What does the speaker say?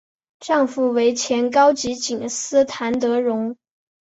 丈夫为前高级警司谭德荣。